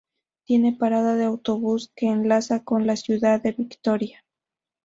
Tiene parada de autobús que enlaza con la ciudad de Vitoria.